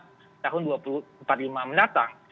menuju indonesia emas tahun dua ribu empat puluh lima mendatang